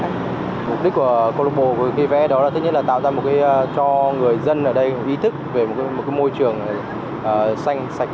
mục đích của cộng đồng vẽ đó là tạo ra một cái cho người dân ở đây ý thức về một môi trường xanh sạch